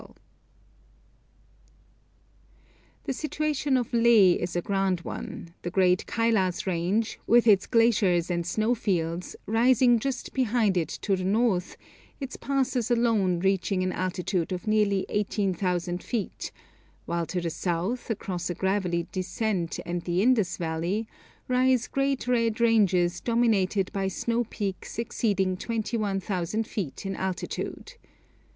[Illustration: LEH] The situation of Leh is a grand one, the great Kailas range, with its glaciers and snowfields, rising just behind it to the north, its passes alone reaching an altitude of nearly 18,000 feet; while to the south, across a gravelly descent and the Indus Valley, rise great red ranges dominated by snow peaks exceeding 21,000 feet in altitude.